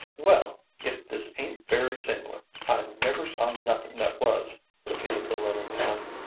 "Well, if this ain't very sing'lar, I never saw nothin' that was," repeated the little man.